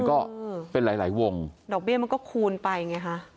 ดอกเบี้ยมันก็เป็นหลายหลายวงดอกเบี้ยมันก็คูณไปไงฮะ